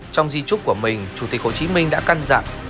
trong di trúc của mình chủ tịch hồ chí minh đã căn dặn